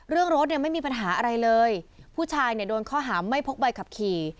เรื่องรถเนี่ยไม่มีปัญหาอะไรเลยผู้ชายเนี่ยโดนข้อหาไม่พกใบขับขี่